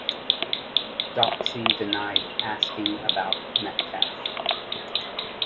Doxey denied asking about Metcalfe.